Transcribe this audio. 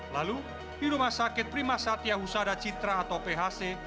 lalu di rumah sakit primasatya husada citra atau phc